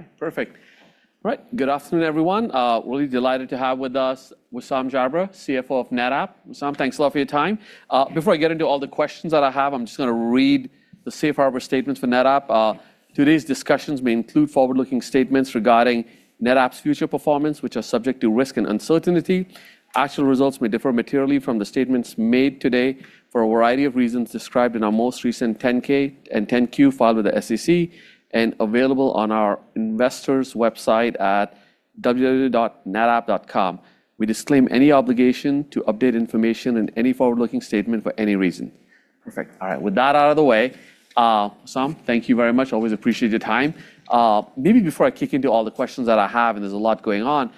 All right, perfect. Good afternoon, everyone. Really delighted to have with us Wissam Jabre, CFO of NetApp. Wissam, thanks a lot for your time. Before I get into all the questions that I have, I'm just going to read the safe harbor statements for NetApp. Today's discussions may include forward-looking statements regarding NetApp's future performance, which are subject to risk and uncertainty. Actual results may differ materially from the statements made today for a variety of reasons described in our most recent 10-K and 10-Q filed with the SEC and available on our investors' website at www.netapp.com. We disclaim any obligation to update information in any forward-looking statement for any reason. Perfect. All right, with that out of the way, Wissam, thank you very much. Always appreciate your time. Before I kick into all the questions that I have, and there's a lot going on,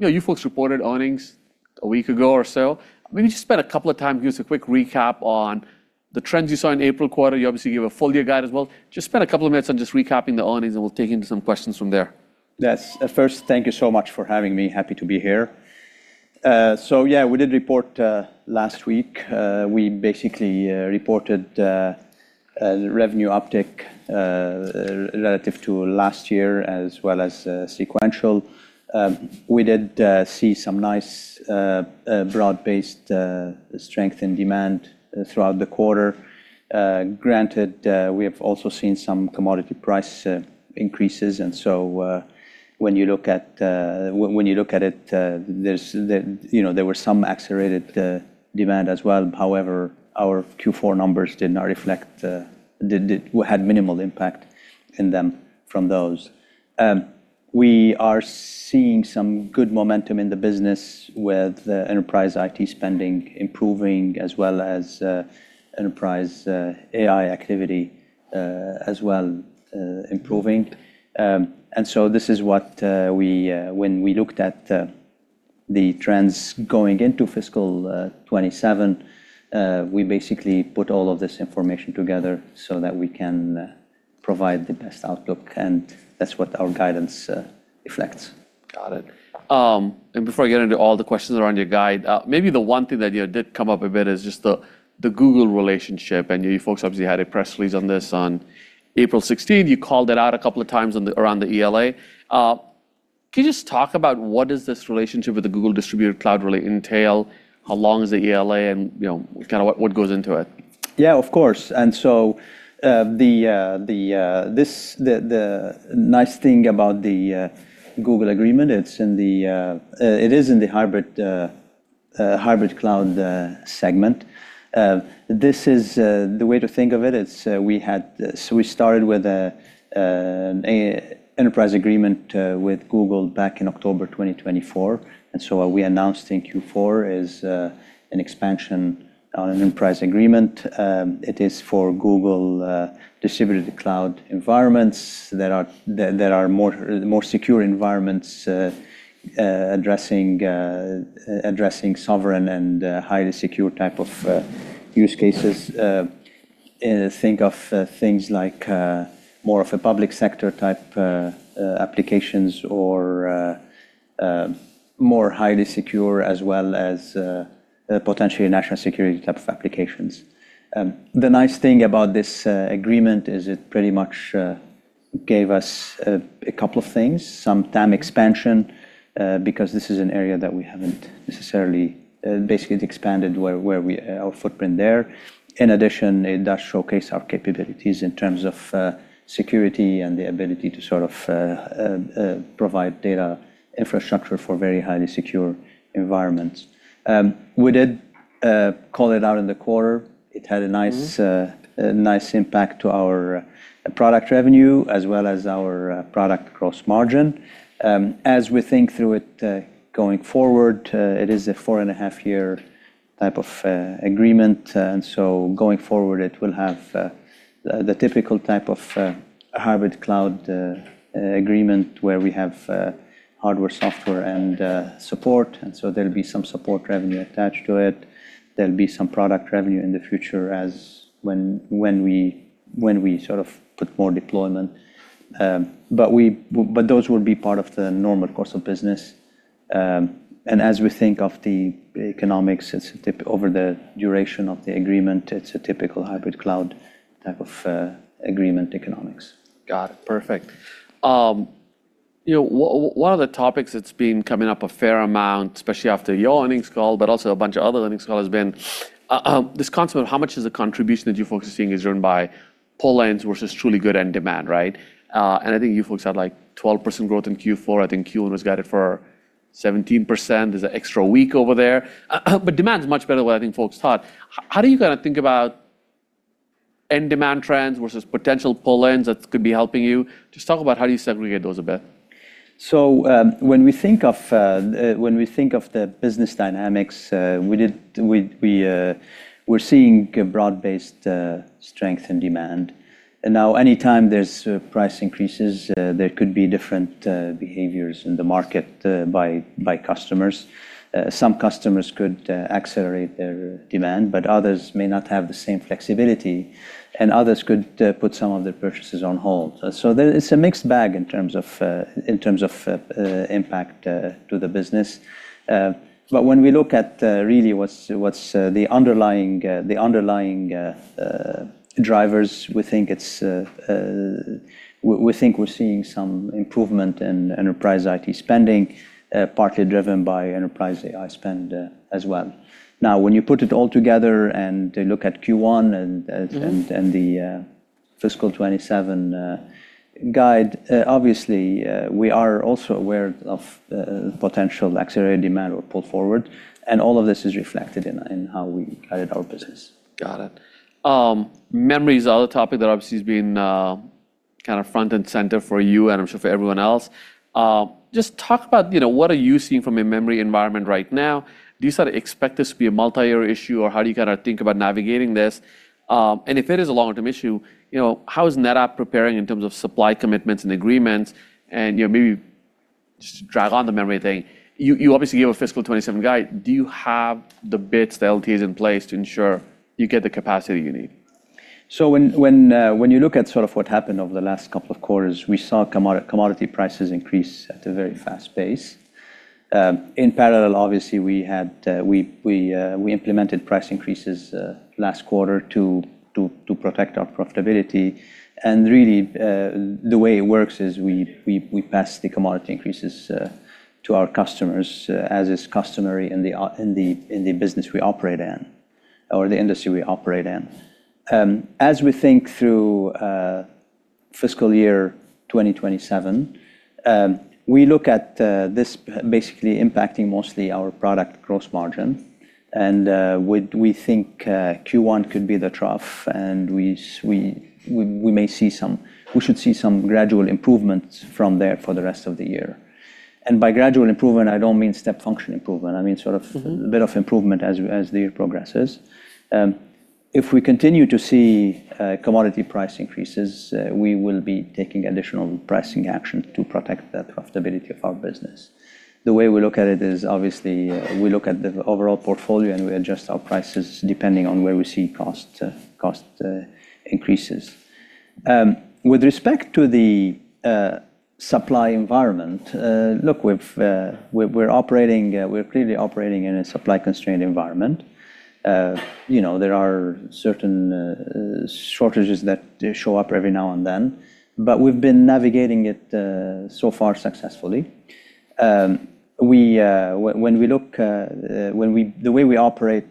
you folks reported earnings a week ago or so. Just spend a couple of minutes, give us a quick recap on the trends you saw in April quarter. You obviously gave a full-year guide as well. Spend a couple of minutes on just recapping the earnings, and we'll take into some questions from there. Yes. First, thank you so much for having me. Happy to be here. Yeah, we did report last week. We basically reported a revenue uptick relative to last year as well as sequential. We did see some nice broad-based strength in demand throughout the quarter. Granted, we have also seen some commodity price increases, when you look at it, there was some accelerated demand as well. However, our Q4 numbers had minimal impact in them from those. We are seeing some good momentum in the business with enterprise IT spending improving as well as enterprise AI activity, as well, improving. This is when we looked at the trends going into FY 2027, we basically put all of this information together so that we can provide the best outlook, and that's what our guidance reflects. Got it. Before I get into all the questions around your guide, maybe the one thing that did come up a bit is just the Google relationship, and you folks obviously had a press release on this on April 16. You called it out a couple of times around the ELA. Can you just talk about what does this relationship with the Google Distributed Cloud really entail? How long is the ELA, and what goes into it? Yeah, of course. The nice thing about the Google agreement, it is in the hybrid cloud segment. The way to think of it is, we started with an enterprise agreement with Google back in October 2024, what we announced in Q4 is an expansion on an enterprise agreement. It is for Google Distributed Cloud environments that are more secure environments addressing sovereign and highly secure type of use cases. Think of things like more of a public sector type applications or more highly secure as well as potentially national security type of applications. The nice thing about this agreement is it pretty much gave us a couple of things, some TAM expansion, because this is an area that we haven't basically expanded our footprint there. In addition, it does showcase our capabilities in terms of security and the ability to sort of provide data infrastructure for very highly secure environments. We did call it out in the quarter. It had a nice impact to our product revenue as well as our product gross margin. As we think through it going forward, it is a four-and-a-half-year type of agreement. Going forward, it will have the typical type of hybrid cloud agreement where we have hardware, software, and support. There'll be some support revenue attached to it. There'll be some product revenue in the future as when we sort of put more deployment. Those will be part of the normal course of business. As we think of the economics over the duration of the agreement, it's a typical hybrid cloud type of agreement economics. Got it. Perfect. One of the topics that's been coming up a fair amount, especially after your earnings call, but also a bunch of other earnings call, has been this concept of how much is the contribution that you folks are seeing is driven by pull-ins versus truly good end demand, right? I think you folks had like 12% growth in Q4. I think Q1 has got it for 17%. There's an extra week over there. Demand's much better than what I think folks thought. How do you think about end demand trends versus potential pull-ins that could be helping you? Just talk about how do you segregate those a bit. When we think of the business dynamics, we're seeing broad-based strength in demand. Now anytime there's price increases, there could be different behaviors in the market by customers. Some customers could accelerate their demand, but others may not have the same flexibility, and others could put some of their purchases on hold. It's a mixed bag in terms of impact to the business. When we look at really what's the underlying drivers. We think we're seeing some improvement in enterprise IT spending, partly driven by enterprise AI spend as well. Now, when you put it all together and look at Q1. The fiscal FY 2027 guide, obviously, we are also aware of potential accelerated demand or pull forward, and all of this is reflected in how we guided our business. Got it. Memory is the other topic that obviously has been front and center for you and I'm sure for everyone else. Just talk about what are you seeing from a memory environment right now. Do you sort of expect this to be a multi-year issue, or how do you think about navigating this? If it is a long-term issue, how is NetApp preparing in terms of supply commitments and agreements and maybe just drive on the memory thing. You obviously gave a fiscal 2027 guide. Do you have the bits, the LTAs in place to ensure you get the capacity you need? When you look at what happened over the last couple of quarters, we saw commodity prices increase at a very fast pace. In parallel, obviously, we implemented price increases last quarter to protect our profitability. Really, the way it works is we pass the commodity increases to our customers, as is customary in the business we operate in or the industry we operate in. As we think through fiscal year 2027, we look at this basically impacting mostly our product gross margin. We think Q1 could be the trough, and we should see some gradual improvements from there for the rest of the year. By gradual improvement, I don't mean step function improvement. I mean sort of a bit of improvement as the year progresses. If we continue to see commodity price increases, we will be taking additional pricing action to protect the profitability of our business. The way we look at it is, obviously, we look at the overall portfolio, and we adjust our prices depending on where we see cost increases. With respect to the supply environment, look, we're clearly operating in a supply-constrained environment. There are certain shortages that show up every now and then. We've been navigating it so far successfully. The way we operate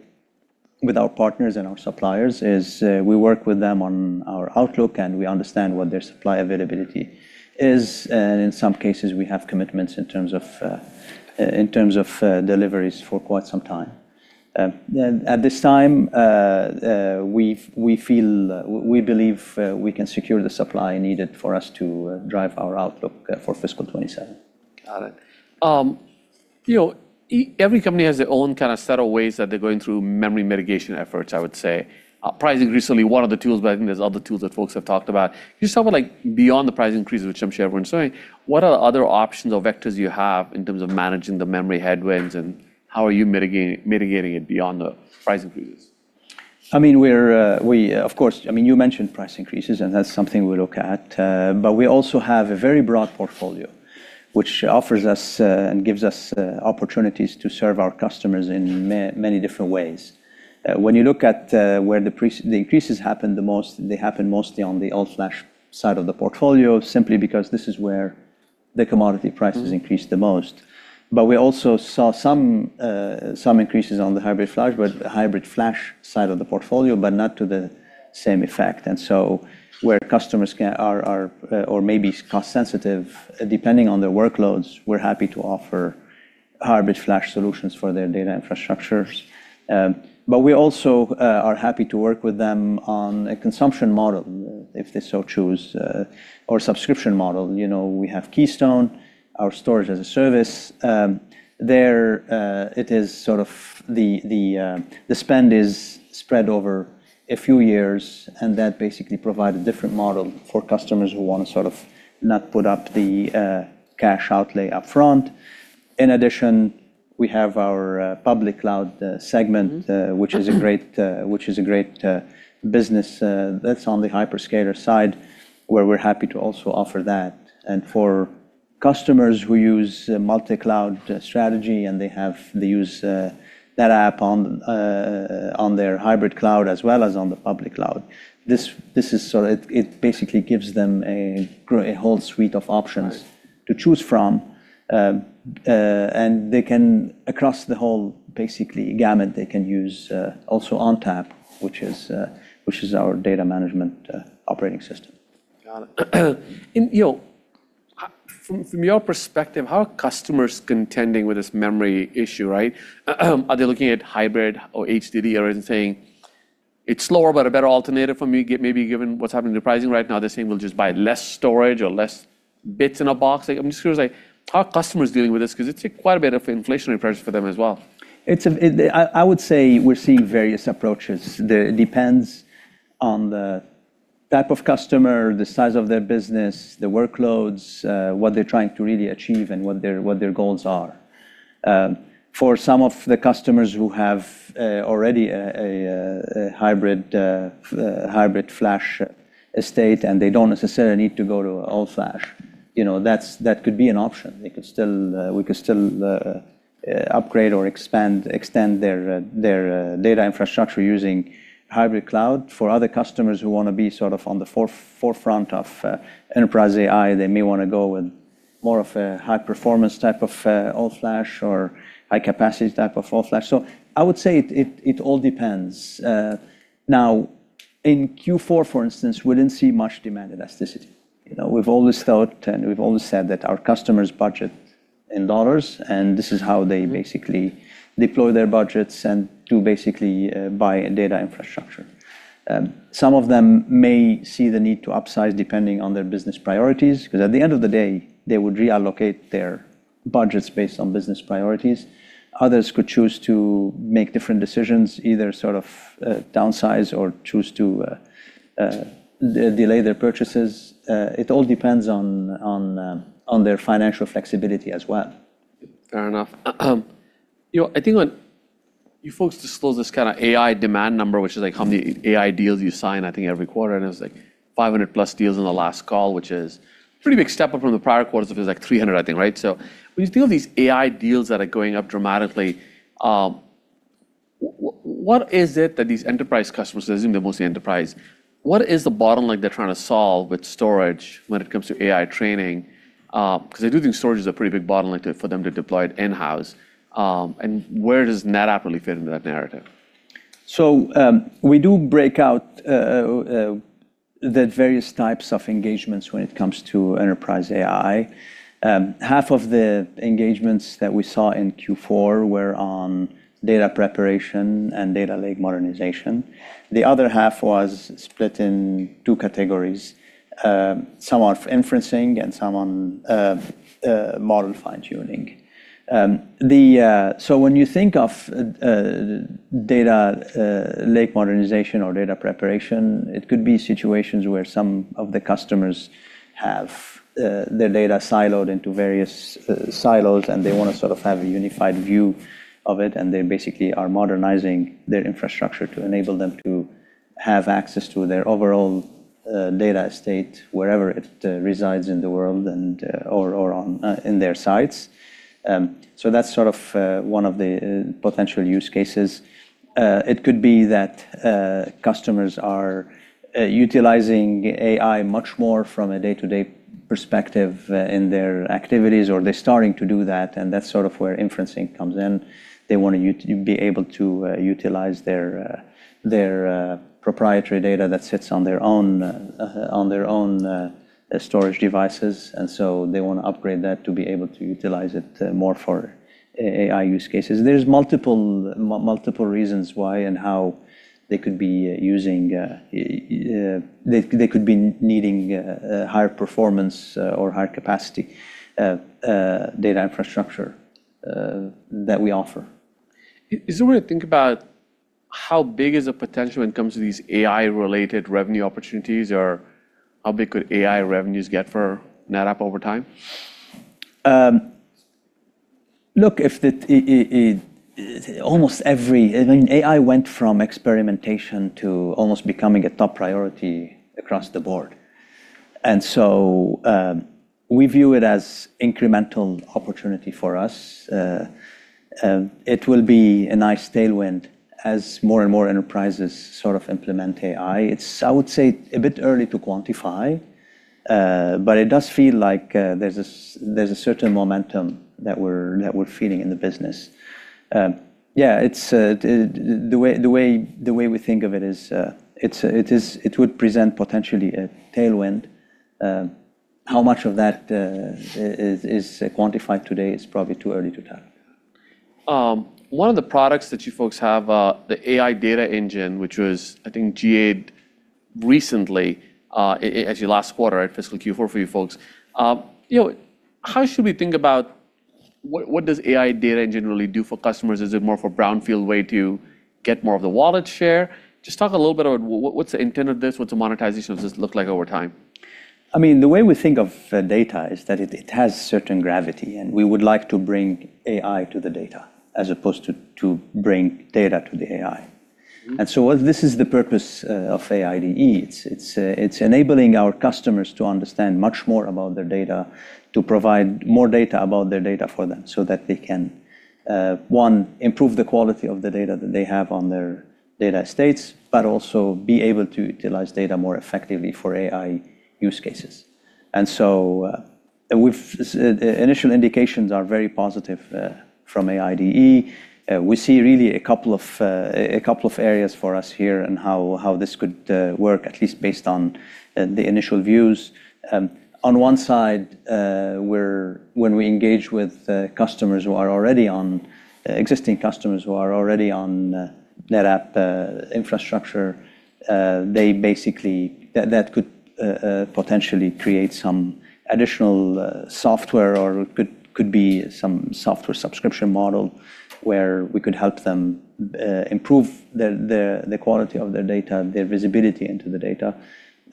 with our partners and our suppliers is we work with them on our outlook, and we understand what their supply availability is. In some cases, we have commitments in terms of deliveries for quite some time. At this time, we believe we can secure the supply needed for us to drive our outlook for fiscal 2027. Got it. Every company has their own set of ways that they're going through memory mitigation efforts, I would say. Pricing recently, one of the tools, but I think there's other tools that folks have talked about. Can you just talk about beyond the price increases, which I'm sure everyone's saying, what are other options or vectors you have in terms of managing the memory headwinds, and how are you mitigating it beyond the price increases? Of course. You mentioned price increases, and that's something we look at. We also have a very broad portfolio, which offers us and gives us opportunities to serve our customers in many different ways. When you look at where the increases happen the most, they happen mostly on the all-flash side of the portfolio, simply because this is where the commodity prices- increase the most. We also saw some increases on the hybrid flash side of the portfolio, but not to the same effect. Where customers are or may be cost sensitive, depending on their workloads, we're happy to offer hybrid flash solutions for their data infrastructures. We also are happy to work with them on a consumption model, if they so choose, or subscription model. We have Keystone, our Storage-as-a-Service. There, the spend is spread over a few years, and that basically provide a different model for customers who want to sort of not put up the cash outlay up front. In addition, we have our public cloud segment. Which is a great business that's on the hyperscaler side, where we're happy to also offer that. For customers who use multi-cloud strategy, and they use NetApp on their hybrid cloud as well as on the public cloud. It basically gives them a whole suite of options. Right. To choose from. They can, across the whole basically gamut, they can use also ONTAP, which is our data management operating system. Got it. From your perspective, how are customers contending with this memory issue, right? Are they looking at hybrid or HDD or anything? It's slower but a better alternative for me, maybe given what's happening to pricing right now. They're saying we'll just buy less storage or less bits in a box. I'm just curious, how are customers dealing with this? Because it's quite a bit of inflationary pressures for them as well. I would say we're seeing various approaches. It depends on the type of customer, the size of their business, their workloads, what they're trying to really achieve, and what their goals are. For some of the customers who have already a hybrid flash estate, and they don't necessarily need to go to all-flash. That could be an option. We could still upgrade or extend their data infrastructure using hybrid cloud. For other customers who want to be sort of on the forefront of enterprise AI, they may want to go with more of a high-performance type of all-flash or high-capacity type of all-flash. I would say it all depends. Now, in Q4, for instance, we didn't see much demand elasticity. We've always thought, and we've always said that our customers budget in dollars, and this is how they basically deploy their budgets and to basically buy data infrastructure. Some of them may see the need to upsize depending on their business priorities, because at the end of the day, they would reallocate their budgets based on business priorities. Others could choose to make different decisions, either sort of downsize or choose to delay their purchases. It all depends on their financial flexibility as well. Fair enough. I think when you folks disclose this kind of AI demand number, which is how many AI deals you sign, I think, every quarter, and it was 500+ deals in the last call, which is a pretty big step up from the prior quarters. It was 300, I think. When you think of these AI deals that are going up dramatically, what is it that these enterprise customers, assuming they're mostly enterprise, what is the bottleneck they're trying to solve with storage when it comes to AI training? I do think storage is a pretty big bottleneck for them to deploy it in-house. Where does NetApp really fit into that narrative? We do break out the various types of engagements when it comes to enterprise AI. Half of the engagements that we saw in Q4 were on data preparation and data lake modernization. The other half was split in two categories. Some are for inferencing and some on model fine-tuning. When you think of data lake modernization or data preparation, it could be situations where some of the customers have their data siloed into various silos, and they want to sort of have a unified view of it, and they basically are modernizing their infrastructure to enable them to have access to their overall data estate wherever it resides in the world or in their sites. That's one of the potential use cases. It could be that customers are utilizing AI much more from a day-to-day perspective in their activities, or they're starting to do that, and that's sort of where inferencing comes in. They want to be able to utilize their proprietary data that sits on their own storage devices. They want to upgrade that to be able to utilize it more for AI use cases. There's multiple reasons why and how they could be needing higher performance or higher capacity data infrastructure that we offer. Is there a way to think about how big is the potential when it comes to these AI-related revenue opportunities? Or how big could AI revenues get for NetApp over time? Look, AI went from experimentation to almost becoming a top priority across the board. We view it as incremental opportunity for us. It will be a nice tailwind as more and more enterprises sort of implement AI. It's, I would say, a bit early to quantify. It does feel like there's a certain momentum that we're feeling in the business. Yeah. The way we think of it is, it would present potentially a tailwind. How much of that is quantified today is probably too early to tell. One of the products that you folks have, the AI Data Engine, which was, I think, GA recently, actually last quarter at fiscal Q4 for you folks. How should we think about what does AI Data Engine really do for customers? Is it more of a brownfield way to get more of the wallet share? Just talk a little bit about what's the intent of this? What's the monetization of this look like over time? The way we think of data is that it has certain gravity, and we would like to bring AI to the data as opposed to bring data to the AI. This is the purpose of AIDE. It's enabling our customers to understand much more about their data, to provide more data about their data for them so that they can, one, improve the quality of the data that they have on their data estates, but also be able to utilize data more effectively for AI use cases. Initial indications are very positive from AIDE. We see really a couple of areas for us here and how this could work, at least based on the initial views. On one side, when we engage with existing customers who are already on NetApp infrastructure, that could potentially create some additional software or could be some software subscription model where we could help them improve the quality of their data, their visibility into the data,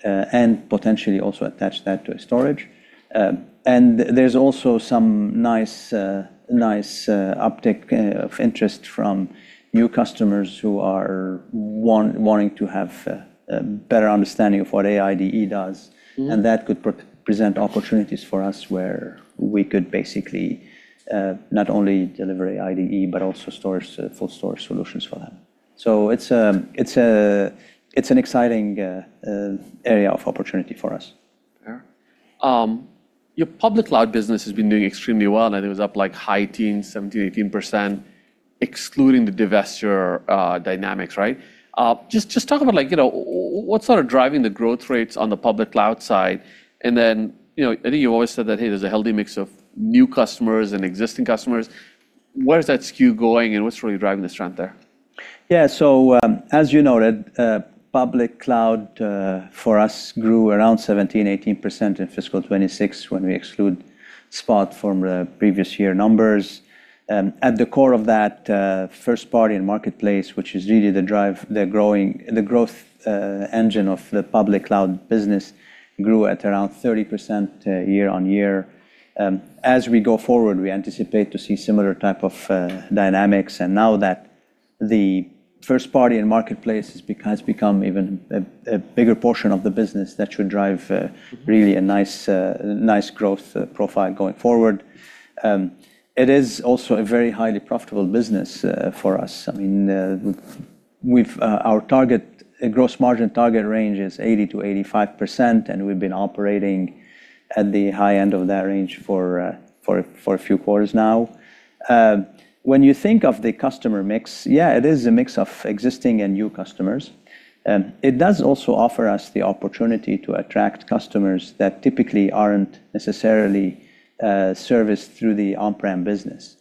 and potentially also attach that to storage. There's also some nice uptick of interest from new customers who are wanting to have a better understanding of what AIDE does. That could present opportunities for us where we could basically not only deliver AIDE but also full storage solutions for them. It's an exciting area of opportunity for us. Fair. Your public cloud business has been doing extremely well, and it was up like high teens, 17%, 18%, excluding the divestiture dynamics, right? Just talk about what's sort of driving the growth rates on the public cloud side, and then, I think you always said that, hey, there's a healthy mix of new customers and existing customers. Where is that skew going, and what's really driving the strength there? As you noted, public cloud for us grew around 17%-18% in fiscal 2026, when we exclude Spot from the previous year numbers. At the core of that, first-party and marketplace, which is really the growth engine of the public cloud business, grew at around 30% year-over-year. As we go forward, we anticipate to see similar type of dynamics. Now that the first-party and marketplace has become even a bigger portion of the business, that should drive really a nice growth profile going forward. It is also a very highly profitable business for us. Our gross margin target range is 80%-85%, we've been operating at the high end of that range for a few quarters now. When you think of the customer mix, it is a mix of existing and new customers. It does also offer us the opportunity to attract customers that typically aren't necessarily serviced through the on-prem business.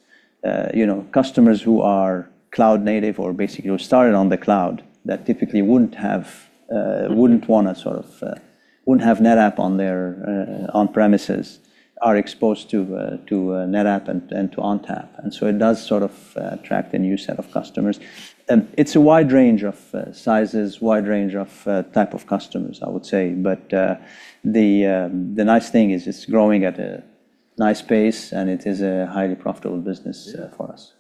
Customers who are cloud native or basically who started on the cloud that typically wouldn't have NetApp on their on-premises are exposed to NetApp and to ONTAP. It does sort of attract a new set of customers. It's a wide range of sizes, wide range of type of customers, I would say. The nice thing is it's growing at a nice pace, and it is a highly profitable business for us.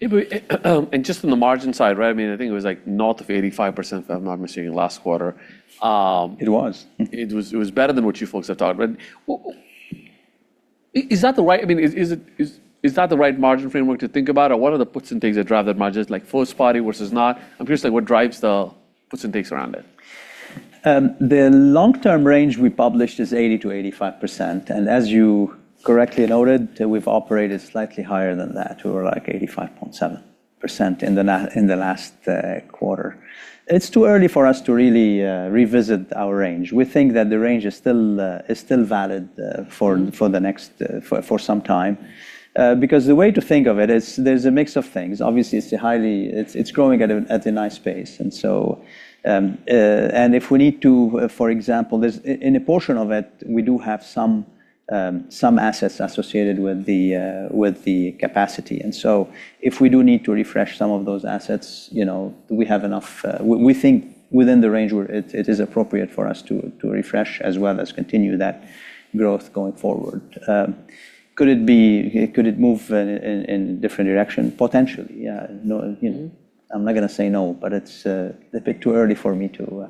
Just on the margin side, right, I think it was north of 85%, if I'm not mistaken, last quarter. It was. It was better than what you folks had thought. Is that the right margin framework to think about? What are the puts and takes that drive that margin, like first party versus not? I'm curious, what drives the puts and takes around it? The long-term range we published is 80%-85%. As you correctly noted, we've operated slightly higher than that. We were like 85.7% in the last quarter. It's too early for us to really revisit our range. We think that the range is still valid for some time. The way to think of it is there's a mix of things. Obviously, it's growing at a nice pace. If we need to, for example, in a portion of it, we do have some assets associated with the capacity. If we do need to refresh some of those assets, we think within the range where it is appropriate for us to refresh as well as continue that growth going forward. Could it move in a different direction? Potentially, yeah. I'm not going to say no, but it's a bit too early for me to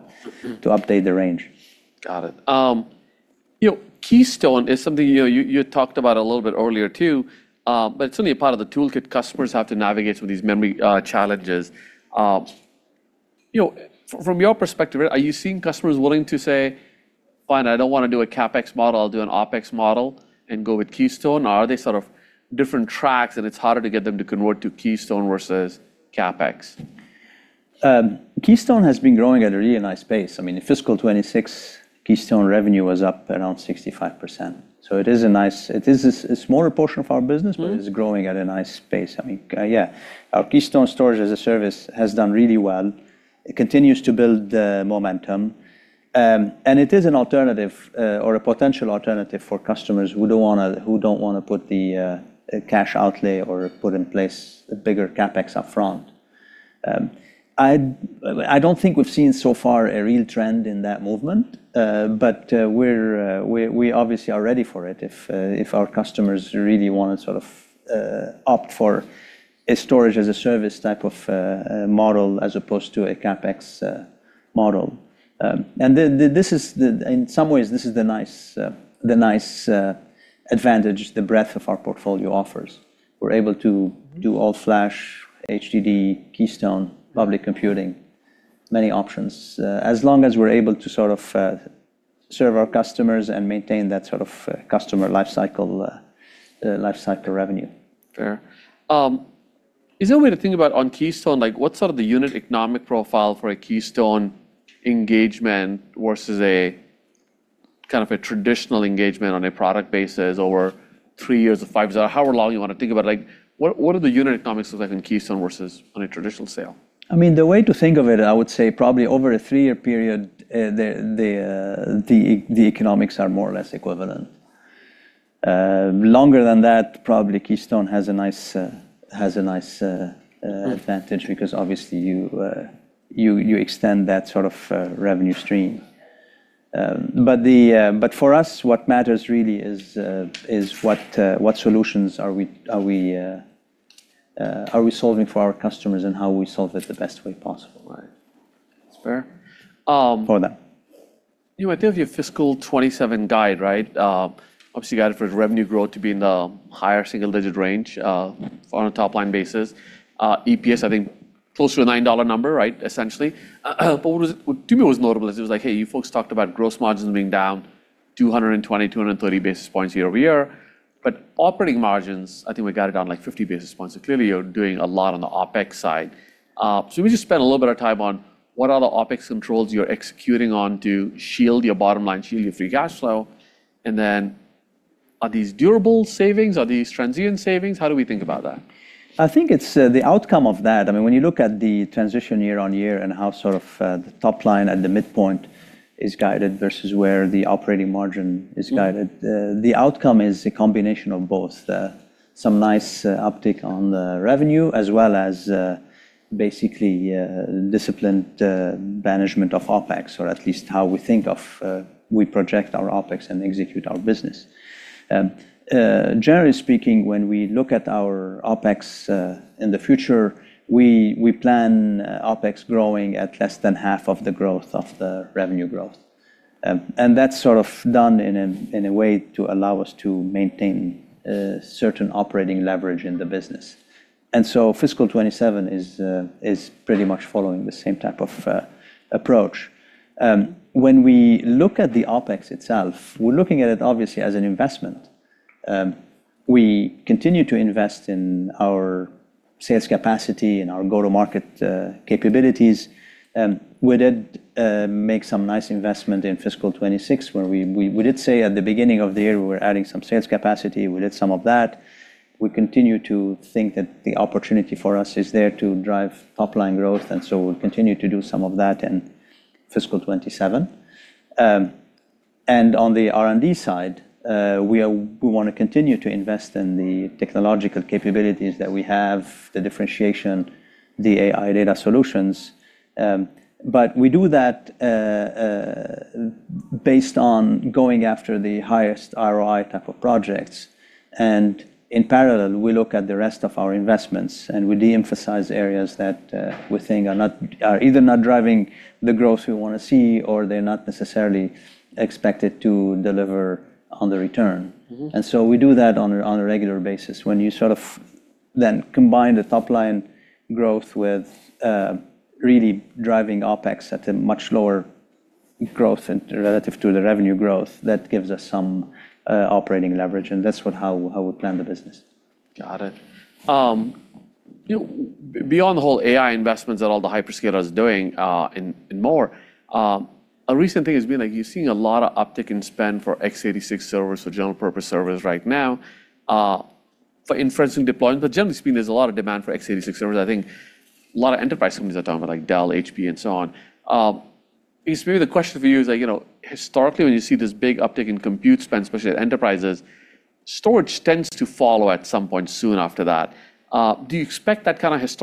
update the range. Got it. Keystone is something you talked about a little bit earlier, too. It's only a part of the toolkit customers have to navigate with these memory challenges. From your perspective, are you seeing customers willing to say, "Fine, I don't want to do a CapEx model. I'll do an OpEx model and go with Keystone." Are they sort of different tracks, and it's harder to get them to convert to Keystone versus CapEx? Keystone has been growing at a really nice pace. In fiscal 2026, Keystone revenue was up around 65%. It is a smaller portion of our business. It's growing at a nice pace. Yeah. Our Keystone storage as a service has done really well. It continues to build momentum. It is an alternative, or a potential alternative, for customers who don't want to put the cash outlay or put in place a bigger CapEx up front. I don't think we've seen so far a real trend in that movement. We obviously are ready for it, if our customers really want to opt for a storage as a service type of model as opposed to a CapEx model. In some ways, this is the nice advantage the breadth of our portfolio offers. We're able to do all-flash, HDD, Keystone, public computing, many options. As long as we're able to serve our customers and maintain that customer life cycle revenue. Fair. Is there a way to think about on Keystone, what's sort of the unit economic profile for a Keystone engagement versus a traditional engagement on a product basis over three years or five, however long you want to think about it? What are the unit economics look like in Keystone versus on a traditional sale? The way to think of it, I would say probably over a three-year period, the economics are more or less equivalent. Longer than that, probably Keystone has a nice advantage because obviously you extend that revenue stream. For us, what matters really is what solutions are we solving for our customers and how we solve it the best way possible. Right. That's fair. For that. I tell your fiscal 2027 guide, right? Obviously, you guide it for the revenue growth to be in the higher single-digit range on a top-line basis. EPS, close to a $9 number, right? Essentially. What to me was notable is it was like, hey, you folks talked about gross margins being down 220, 230 basis points year-over-year. Operating margins, I think we got it down like 50 basis points. Clearly, you're doing a lot on the OpEx side. We just spent a little bit of time on what are the OpEx controls you're executing on to shield your bottom line, shield your free cash flow, and then are these durable savings? Are these transient savings? How do we think about that? I think it's the outcome of that. When you look at the transition year-over-year and how sort of, the top line at the midpoint is guided versus where the operating margin is guided. The outcome is a combination of both. Some nice uptick on the revenue as well as disciplined management of OpEx, or at least how we project our OpEx and execute our business. Generally speaking, when we look at our OpEx, in the future, we plan OpEx growing at less than half of the growth of the revenue growth. That's sort of done in a way to allow us to maintain certain operating leverage in the business. Fiscal 2027 is pretty much following the same type of approach. When we look at the OpEx itself, we're looking at it obviously as an investment. We continue to invest in our sales capacity and our go-to-market capabilities. We did make some nice investment in fiscal 2026 where we did say at the beginning of the year, we were adding some sales capacity. We did some of that. We continue to think that the opportunity for us is there to drive top-line growth, and so we'll continue to do some of that in fiscal 2027. On the R&D side, we want to continue to invest in the technological capabilities that we have, the differentiation, the AI data solutions. We do that based on going after the highest ROI type of projects. In parallel, we look at the rest of our investments, and we de-emphasize areas that we think are either not driving the growth we want to see or they're not necessarily expected to deliver on the return. We do that on a regular basis. When you sort of combine the top-line growth with really driving OpEx at a much lower growth relative to the revenue growth, that gives us some operating leverage, and that's how we plan the business. Got it. Beyond the whole AI investments that all the hyperscalers are doing, and more, a recent thing has been you're seeing a lot of uptick in spend for x86 servers or general purpose servers right now for inferencing deployment. Generally speaking, there's a lot of demand for x86 servers. I think a lot of enterprise companies are talking about it, like Dell, HP, and so on. I guess maybe the question for you is historically, when you see this big uptick in compute spend, especially at enterprises, storage tends to follow at some point soon after that. Do you think there's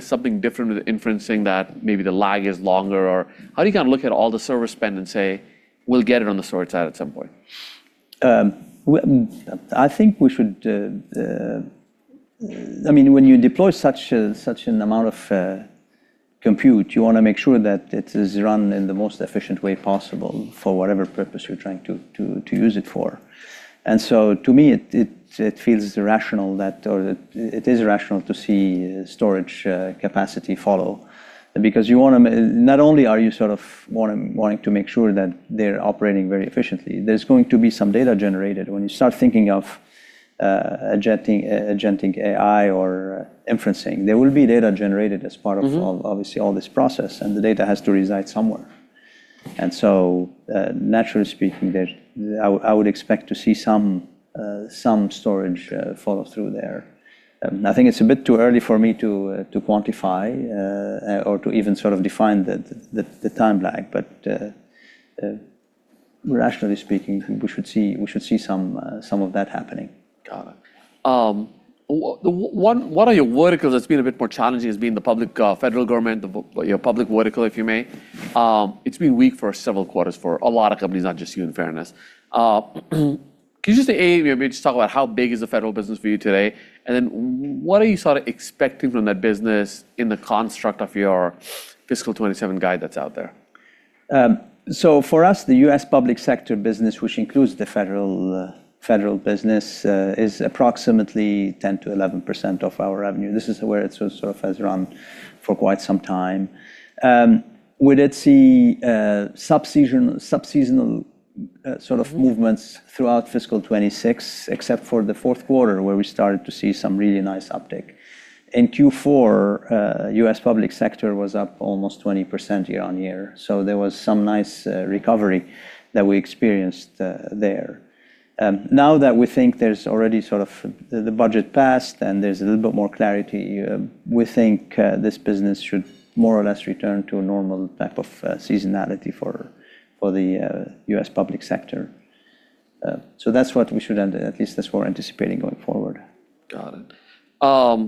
something different with inferencing that maybe the lag is longer, or how do you look at all the server spend and say, "We'll get it on the storage side at some point"? When you deploy such an amount of compute, you want to make sure that it is run in the most efficient way possible for whatever purpose you're trying to use it for. To me, it feels rational that or it is rational to see storage capacity follow because not only are you sort of wanting to make sure that they're operating very efficiently, there's going to be some data generated. When you start thinking of agentic AI or inferencing, there will be data generated. Obviously all this process, and the data has to reside somewhere. Naturally speaking, I would expect to see some storage follow through there. I think it's a bit too early for me to quantify or to even sort of define the time lag. Rationally speaking, we should see some of that happening. Got it. One of your verticals that's been a bit more challenging has been the public federal government, the public vertical, if you may. It's been weak for several quarters for a lot of companies, not just you, in fairness. Can you just say, A, maybe just talk about how big is the federal business for you today, and then what are you sort of expecting from that business in the construct of your fiscal 2027 guide that's out there? For us, the U.S. public sector business, which includes the federal business, is approximately 10%-11% of our revenue. This is where it sort of has run for quite some time. We did see subseasonal sort of movements throughout FY 2026, except for the fourth quarter, where we started to see some really nice uptick. In Q4, U.S. public sector was up almost 20% year-over-year. There was some nice recovery that we experienced there. Now that we think there's already sort of the budget passed and there's a little bit more clarity, we think this business should more or less return to a normal type of seasonality for the U.S. public sector. That's what we should end, at least that's what we're anticipating going forward. Got it.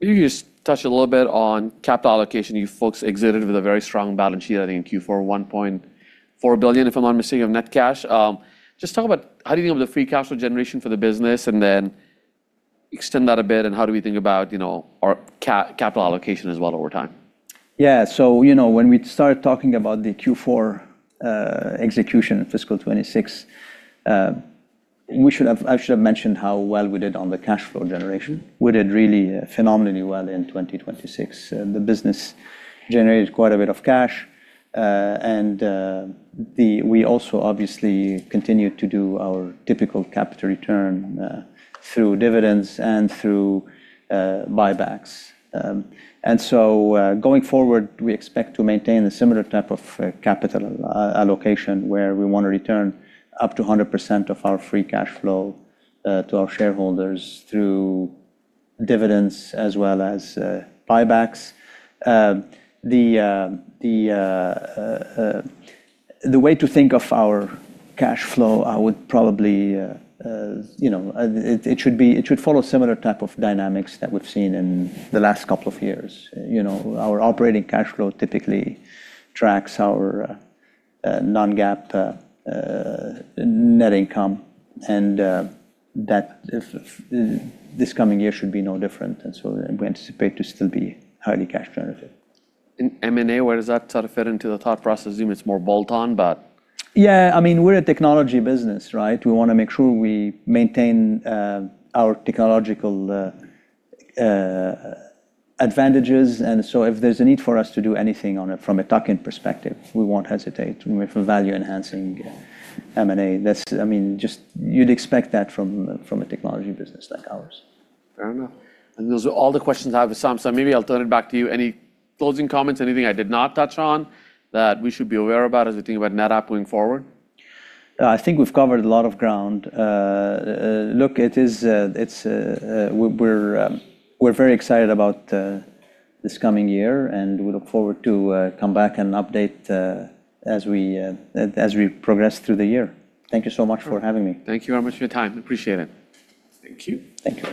Maybe you can just touch a little bit on capital allocation. You folks exited with a very strong balance sheet, I think in Q4, $1.4 billion, if I'm not mistaken, of net cash. Just talk about how do you think of the free cash flow generation for the business, and then extend that a bit, and how do we think about our capital allocation as well over time? Yeah. When we started talking about the Q4 execution in fiscal 2026 I should have mentioned how well we did on the cash flow generation. We did really phenomenally well in 2026. The business generated quite a bit of cash. We also obviously continued to do our typical capital return through dividends and through buybacks. Going forward, we expect to maintain a similar type of capital allocation, where we want to return up to 100% of our free cash flow to our shareholders through dividends as well as buybacks. The way to think of our cash flow, it should follow similar type of dynamics that we've seen in the last couple of years. Our operating cash flow typically tracks our non-GAAP net income. This coming year should be no different. We anticipate to still be highly cash generative. In M&A, where does that sort of fit into the thought process? Assume it's more bolt on. Yeah, we're a technology business, right? We want to make sure we maintain our technological advantages. If there's a need for us to do anything on it from a tuck-in perspective, we won't hesitate if we're value enhancing M&A. You'd expect that from a technology business like ours. Fair enough. Those are all the questions I have for Wissam. Maybe I'll turn it back to you. Any closing comments, anything I did not touch on that we should be aware about as we think about NetApp going forward? I think we've covered a lot of ground. We're very excited about this coming year, and we look forward to come back and update as we progress through the year. Thank you so much for having me. Thank you very much for your time. Appreciate it. Thank you. Thank you.